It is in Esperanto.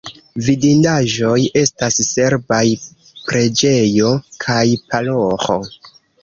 Vidindaĵoj estas serbaj preĝejo kaj paroĥo.